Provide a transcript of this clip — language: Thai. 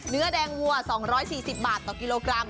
เนื้อแดงวัว๒๔๐บาทต่อกิโลกรัม